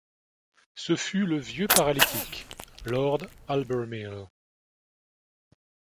Ce fut le vieux paralytique, lord Albermale.